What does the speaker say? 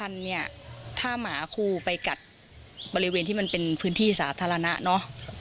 เนี่ยถ้าหมาครูไปกัดบริเวณที่มันเป็นพื้นที่สาธารณะเนาะ